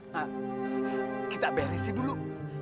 nah kita beresin dulu